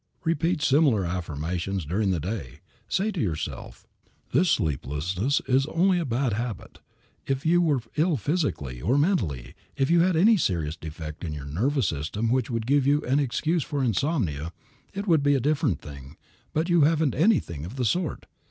Repeat similar affirmations during the day. Say to yourself, "This sleeplessness is only a bad habit. If you were ill physically or mentally, if you had any serious defect in your nervous system which would give any excuse for insomnia, it would be a different thing, but you haven't anything of the sort.